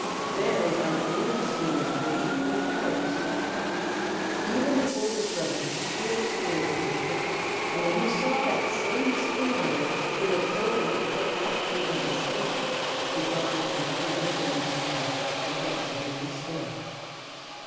There they found older Mosquitoes waiting for the shower to stop. Even the Oldest Brother was so scared that he shook, and when he saw that same Mosquito Mother who had told him to put off changing his skin, he got behind two other young Mosquitoes and kept very still.